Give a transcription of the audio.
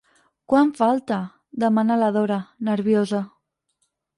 Quan falta? —demana la Dora, nerviosa.